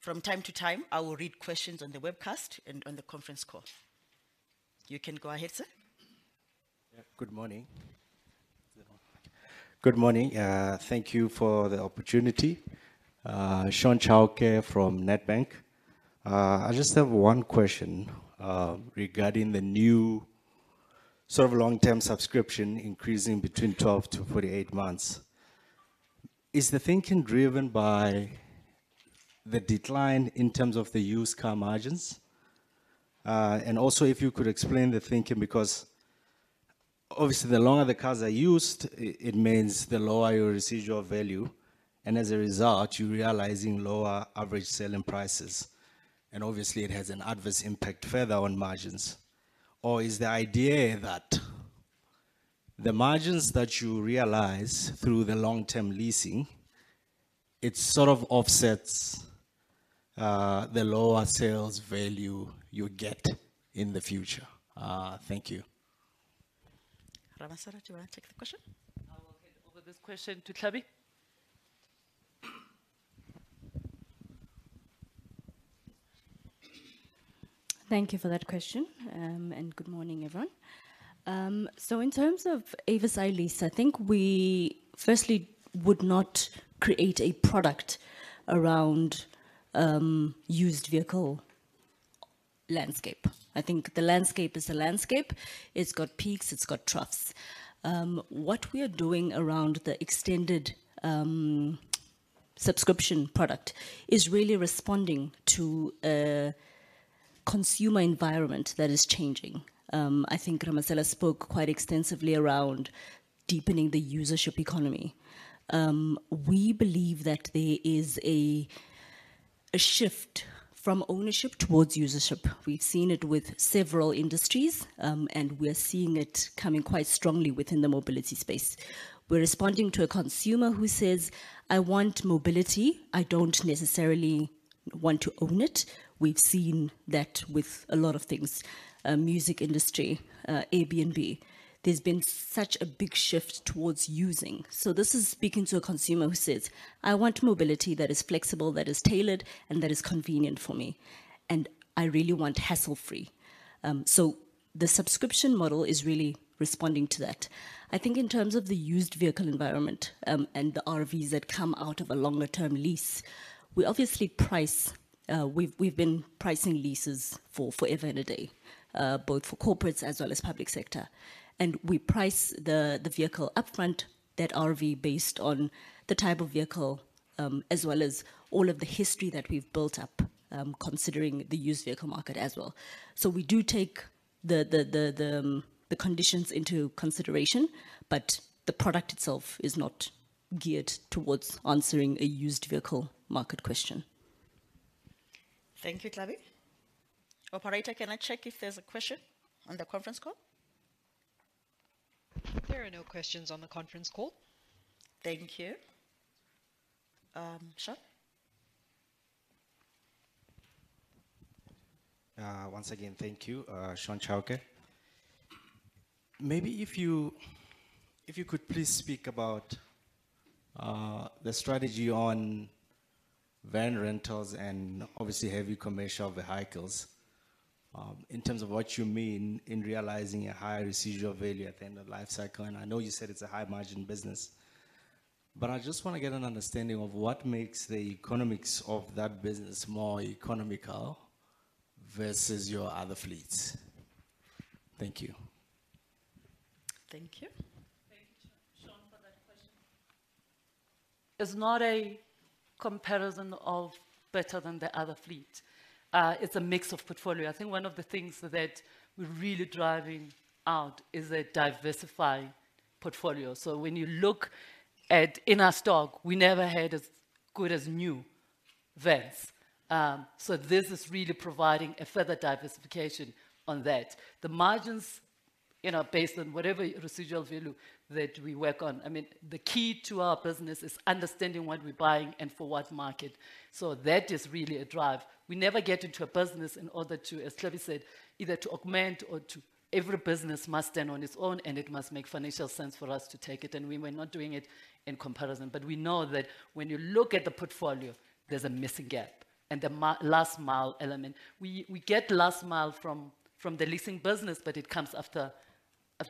From time to time, I will read questions on the webcast and on the conference call. You can go ahead, sir.... Good morning. Good morning, thank you for the opportunity. Shaun Chauke from Nedbank. I just have one question, regarding the new sort of long-term subscription increasing between 12 to 48 months. Is the thinking driven by the decline in terms of the used car margins? And also, if you could explain the thinking, because obviously the longer the cars are used, it means the lower your residual value, and as a result, you're realizing lower average selling prices. And obviously, it has an adverse impact further on margins. Or is the idea that the margins that you realize through the long-term leasing, it sort of offsets, the lower sales value you get in the future? Thank you. Ramasela, do you want to take the question? I will hand over this question to Tlhabi. Thank you for that question, and good morning, everyone. So in terms of Avis iLease, I think we firstly would not create a product around, used vehicle landscape. I think the landscape is the landscape: it's got peaks, it's got troughs. What we are doing around the extended, subscription product is really responding to a consumer environment that is changing. I think Ramasela spoke quite extensively around deepening the usership economy. We believe that there is a shift from ownership towards usership. We've seen it with several industries, and we are seeing it coming quite strongly within the mobility space. We're responding to a consumer who says: "I want mobility. I don't necessarily want to own it." We've seen that with a lot of things, music industry, Airbnb, there's been such a big shift towards using. So this is speaking to a consumer who says: "I want mobility that is flexible, that is tailored, and that is convenient for me, and I really want hassle-free." So the subscription model is really responding to that. I think in terms of the used vehicle environment, and the RVs that come out of a longer-term lease, we obviously price... We've been pricing leases for forever and a day, both for corporates as well as public sector. We price the vehicle upfront, that RV, based on the type of vehicle, as well as all of the history that we've built up, considering the used vehicle market as well. So we do take the conditions into consideration, but the product itself is not geared towards answering a used vehicle market question. Thank you, Tlhabi. Operator, can I check if there's a question on the conference call? There are no questions on the conference call. Thank you. Shaun? Once again, thank you. Shaun Chauke. Maybe if you, if you could please speak about the strategy on van rentals and obviously heavy commercial vehicles, in terms of what you mean in realizing a higher residual value at the end of life cycle. And I know you said it's a high-margin business, but I just want to get an understanding of what makes the economics of that business more economical versus your other fleets. Thank you. Thank you. Thank you, Shaun, for that question. It's not a comparison of better than the other fleet. It's a mix of portfolio. I think one of the things that we're really driving out is a diversified portfolio. So when you look at in our stock, we never had as good as new vans. So this is really providing a further diversification on that. The margins, you know, based on whatever residual value that we work on, I mean, the key to our business is understanding what we're buying and for what market. So that is really a drive. We never get into a business in order to, as Tlhabi said, either to augment or to... Every business must stand on its own, and it must make financial sense for us to take it, and we were not doing it in comparison. But we know that when you look at the portfolio, there's a missing gap and the last mile element. We get last mile from the leasing business, but it comes after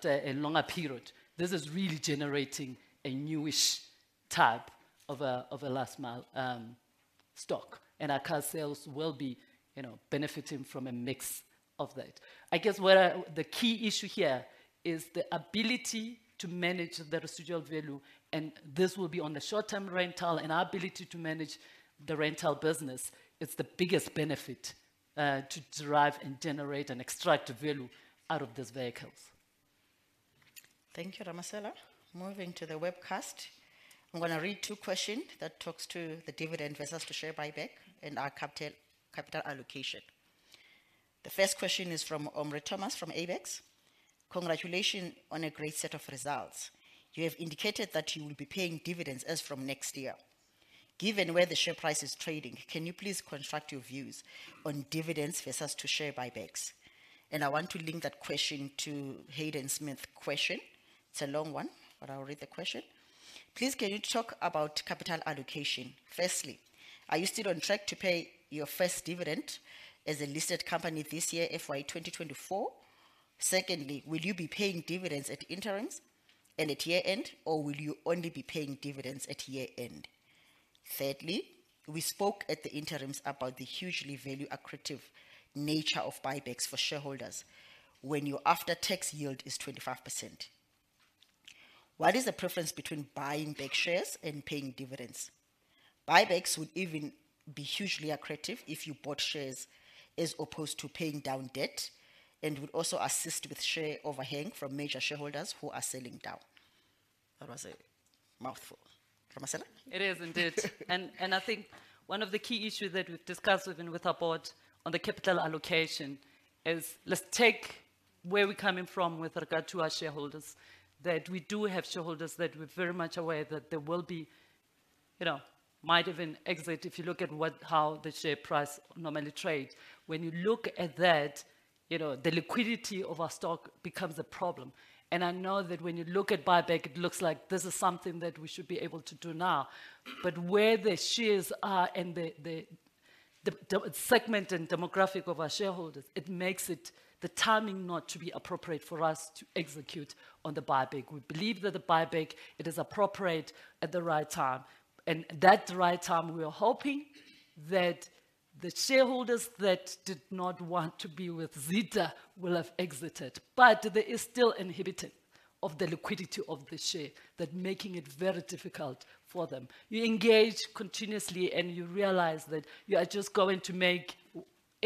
a longer period. This is really generating a newish type of a last mile stock, and our car sales will be, you know, benefiting from a mix of that. I guess the key issue here is the ability to manage the residual value, and this will be on the short-term rental, and our ability to manage the rental business is the biggest benefit to derive and generate and extract value out of these vehicles. Thank you, Ramasela. Moving to the webcast, I'm gonna read two questions that talks to the dividend versus to share buyback and our capital, capital allocation. The first question is from Omri Thomas, from Abax: Congratulations on a great set of results. You have indicated that you will be paying dividends as from next year. Given where the share price is trading, can you please confirm your views on dividends versus to share buybacks? And I want to link that question to Hayden Smith's question.... It's a long one, but I'll read the question. Please, can you talk about capital allocation? Firstly, are you still on track to pay your first dividend as a listed company this year, FY 2024? Secondly, will you be paying dividends at interims and at year-end, or will you only be paying dividends at year-end? Thirdly, we spoke at the interims about the hugely value-accretive nature of buybacks for shareholders when your after-tax yield is 25%. What is the preference between buying back shares and paying dividends? Buybacks would even be hugely accretive if you bought shares as opposed to paying down debt, and would also assist with share overhang from major shareholders who are selling down. That was a mouthful. Ramasela? It is indeed. And I think one of the key issues that we've discussed even with our board on the capital allocation is, let's take where we're coming from with regard to our shareholders. That we do have shareholders that we're very much aware that there will be... You know, might even exit if you look at what-- how the share price normally trades. When you look at that, you know, the liquidity of our stock becomes a problem, and I know that when you look at buyback, it looks like this is something that we should be able to do now. But where the shares are and the segment and demographic of our shareholders, it makes it the timing not to be appropriate for us to execute on the buyback. We believe that the buyback, it is appropriate at the right time, and that right time, we are hoping that the shareholders that did not want to be with Zeda will have exited. But there is still inhibiting of the liquidity of the share, that making it very difficult for them. You engage continuously, and you realize that you are just going to make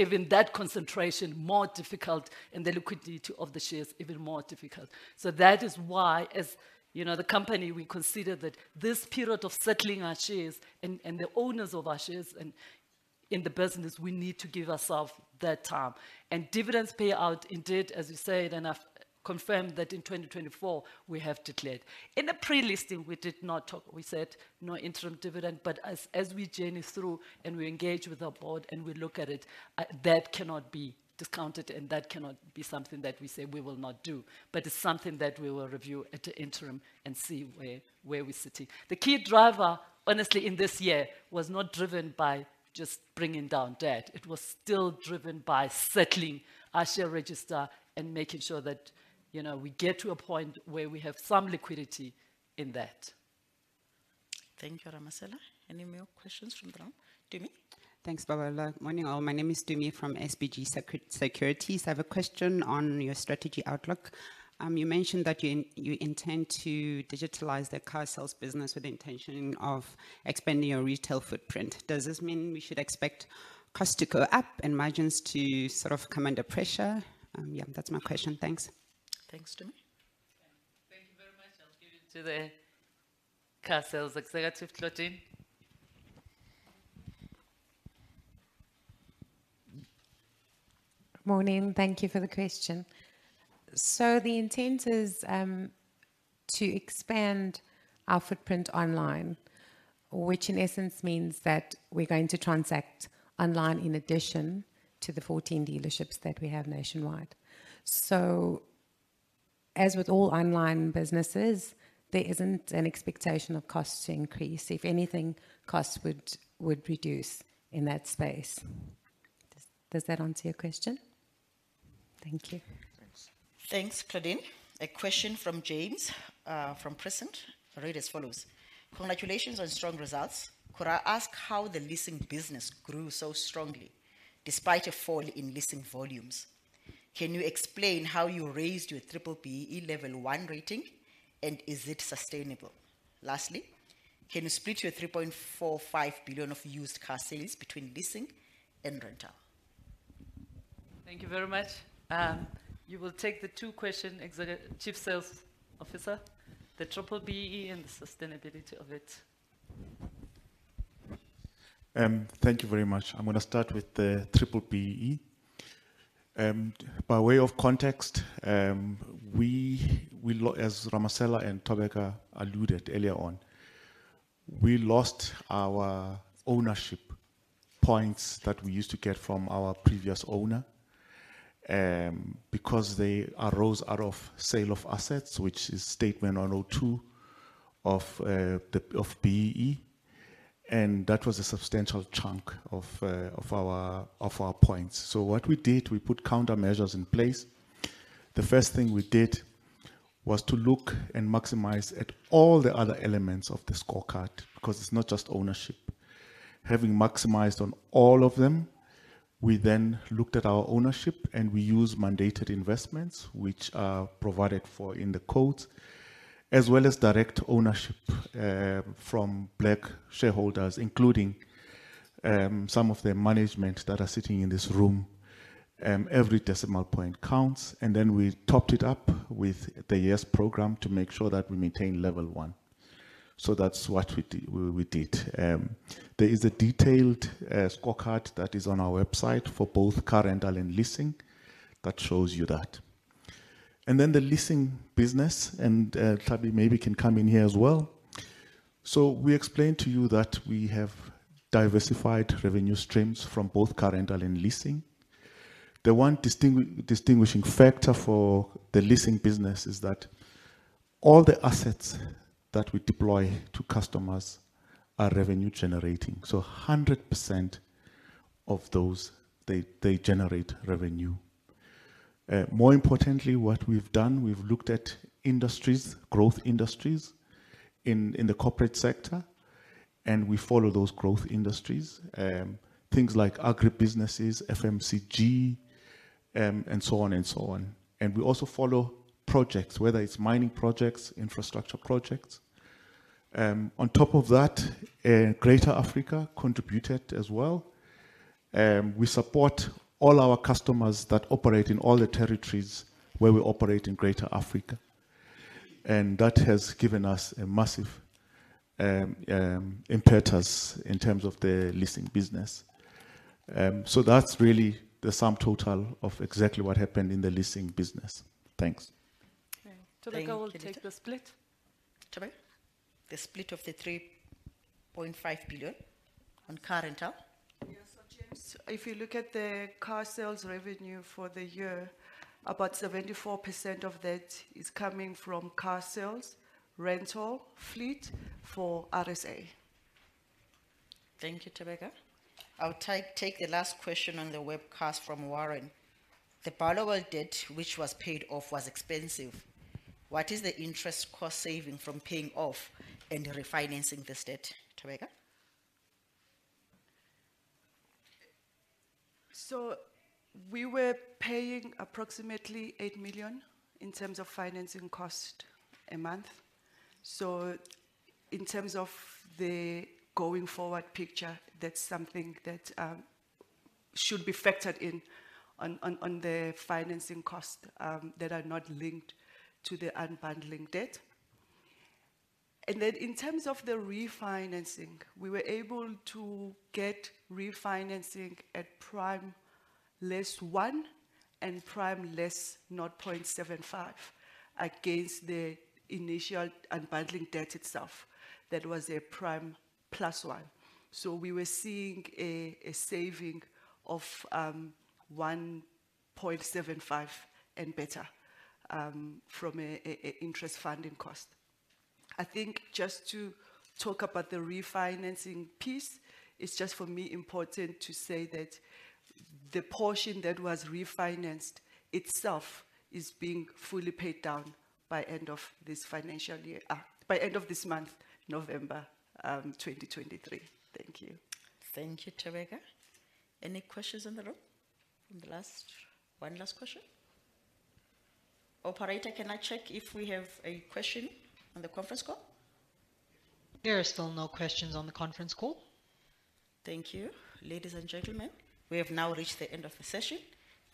even that concentration more difficult and the liquidity of the shares even more difficult. So that is why, as you know, the company, we consider that this period of settling our shares and, and the owners of our shares and in the business, we need to give ourselves that time. And dividends payout, indeed, as you said, and I've confirmed that in 2024, we have declared. In the pre-listing, we did not talk. We said no interim dividend, but as, as we journey through and we engage with our board and we look at it, that cannot be discounted and that cannot be something that we say we will not do. But it's something that we will review at the interim and see where, where we're sitting. The key driver, honestly, in this year, was not driven by just bringing down debt. It was still driven by settling our share register and making sure that, you know, we get to a point where we have some liquidity in that. Thank you, Ramasela. Any more questions from the room? Tumi? Thanks, Babalwa. Morning, all. My name is Tumi from SBG Securities. I have a question on your strategy outlook. You mentioned that you intend to digitalise the car sales business with the intention of expanding your retail footprint. Does this mean we should expect costs to go up and margins to sort of come under pressure? Yeah, that's my question. Thanks. Thanks, Tumi. Thank you very much. I'll give it to the Car Sales Executive, Claudine. Morning. Thank you for the question. So the intent is to expand our footprint online, which in essence means that we're going to transact online in addition to the 14 dealerships that we have nationwide. So as with all online businesses, there isn't an expectation of costs to increase. If anything, costs would reduce in that space. Does that answer your question? Thank you. Thanks. Thanks, Claudine. A question from James from Prescient. I'll read as follows: "Congratulations on strong results. Could I ask how the leasing business grew so strongly despite a fall in leasing volumes? Can you explain how you raised your B-BBEE level one rating, and is it sustainable? Lastly, can you split your 3.45 billion of used car sales between leasing and rental? Thank you very much. You will take the two questions, executive Chief Sales Officer, the B-BBEE and the sustainability of it. Thank you very much. I'm going to start with the B-BBEE. By way of context, as Ramasela and Thobeka alluded earlier on, we lost our ownership points that we used to get from our previous owner, because they arose out of sale of assets, which is Statement 102 of the B-BBEE, and that was a substantial chunk of our points. So what we did, we put countermeasures in place. The first thing we did was to look and maximize at all the other elements of the scorecard, because it's not just ownership. Having maximized on all of them, we then looked at our ownership, and we used mandated investments, which are provided for in the codes, as well as direct ownership from black shareholders, including some of the management that are sitting in this room. Every decimal point counts, and then we topped it up with the YES program to make sure that we maintain level one. So that's what we did, we did. There is a detailed scorecard that is on our website for both car rental and leasing that shows you that. And then the leasing business, and Tlhabi maybe can come in here as well. So we explained to you that we have diversified revenue streams from both car rental and leasing. The one distinguishing factor for the leasing business is that all the assets that we deploy to customers are revenue generating, so 100% of those, they generate revenue. More importantly, what we've done, we've looked at industries, growth industries in the corporate sector, and we follow those growth industries. Things like agri businesses, FMCG, and so on and so on. And we also follow projects, whether it's mining projects, infrastructure projects. On top of that, Greater Africa contributed as well. We support all our customers that operate in all the territories where we operate in Greater Africa, and that has given us a massive impetus in terms of the leasing business. So that's really the sum total of exactly what happened in the leasing business. Thanks. Okay. Thobeka will take the split. Thank you. The split of the 3.5 billion on car rental. Yes. So, James, if you look at the car sales revenue for the year, about 74% of that is coming from car sales, rental, fleet for RSA. Thank you, Thobeka. I'll take the last question on the webcast from Warren. The Barloworld debt, which was paid off, was expensive. What is the interest cost saving from paying off and refinancing this debt? Thobeka? So we were paying approximately 8 million in terms of financing cost a month. So in terms of the going forward picture, that's something that should be factored in on the financing costs that are not linked to the unbundling debt. And then in terms of the refinancing, we were able to get refinancing at prime less one and prime less 0.75 against the initial unbundling debt itself. That was a prime plus one. So we were seeing a saving of 1.75 and better from an interest funding cost. I think just to talk about the refinancing piece, it's just for me important to say that the portion that was refinanced itself is being fully paid down by end of this financial year by end of this month, November 2023. Thank you. Thank you, Thobeka. Any questions in the room? One last question. Operator, can I check if we have a question on the conference call? There are still no questions on the conference call. Thank you. Ladies and gentlemen, we have now reached the end of the session.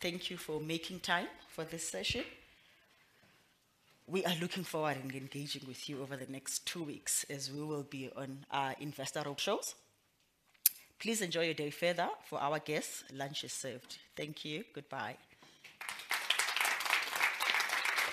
Thank you for making time for this session. We are looking forward in engaging with you over the next two weeks, as we will be on our investor roadshows. Please enjoy your day further. For our guests, lunch is served. Thank you. Goodbye.